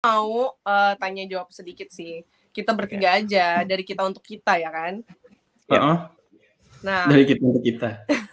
mau tanya jawab sedikit sih kita bertinggal aja dari kita untuk kita ya kan nah kita